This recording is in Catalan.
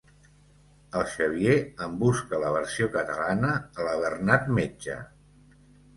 El Xavier en busca la versió catalana a la Bernat Metge.